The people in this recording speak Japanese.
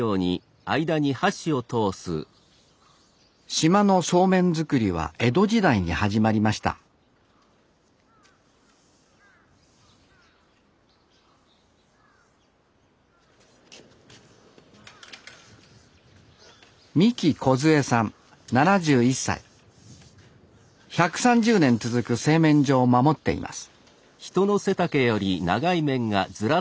島のそうめん作りは江戸時代に始まりました１３０年続く製麺所を守っています